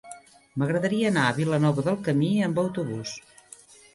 M'agradaria anar a Vilanova del Camí amb autobús.